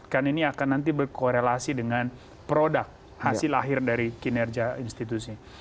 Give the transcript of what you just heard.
karena ini akan nanti berkorelasi dengan produk hasil lahir dari kinerja institusi